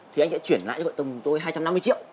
thì anh sẽ chuyển lại cho vợ chồng tôi hai trăm năm mươi triệu